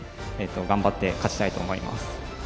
頑張って勝ちたいと思います。